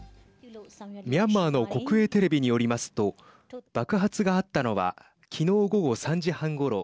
ミャンマーの国営テレビによりますと爆発があったのはきのう午後３時半ごろ。